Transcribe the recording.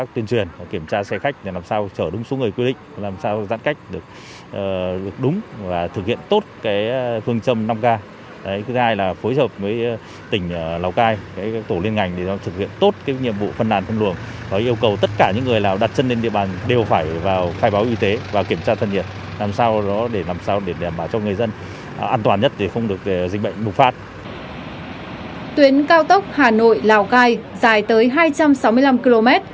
tuyến cao tốc hà nội lào cai dài tới hai trăm sáu mươi năm km